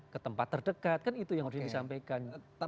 ketempat terdekat kan itu yang harus disampaikan